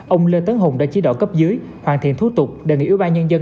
ông lê tấn hùng đã chỉ đo cấp dưới hoàn thiện thú tục đề nghị ủy ban nhân dân